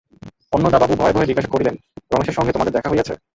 অন্নদাবাবু ভয়ে ভয়ে জিজ্ঞাসা করিলেন, রমেশের সঙ্গে তোমাদের দেখা হইয়াছে?